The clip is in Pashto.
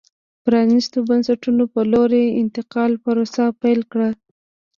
پرانیستو بنسټونو په لور یې د انتقال پروسه پیل کړه.